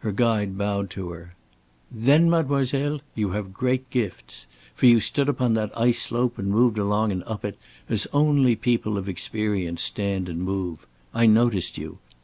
Her guide bowed to her. "Then, mademoiselle, you have great gifts. For you stood upon that ice slope and moved along and up it, as only people of experience stand and move. I noticed you.